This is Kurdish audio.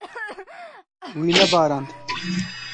Wî nebarand.